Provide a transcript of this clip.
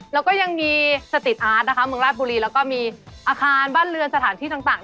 แล้วก็ยังมีสติทอาร์ตนะคะเมืองราชบุรีแล้วก็มีอาคารบ้านเรือนสถานที่ต่าง